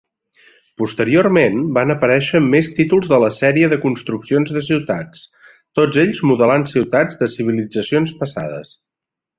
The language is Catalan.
Posteriorment van aparèixer més títols de la "Sèrie de construccions de ciutats", tots ells modelant ciutats de civilitzacions passades.